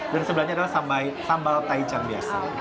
dan sebelahnya adalah sambal taichan biasa